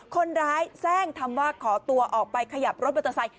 คนร้ายแทรกทำว่าขอตัวออกไปขยับรถมอเตอร์ไซค์